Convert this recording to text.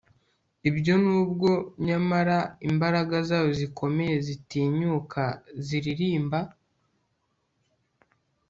Ibyo nubwo nyamara imbaraga zayo zikomeye zitinyuka ziririmba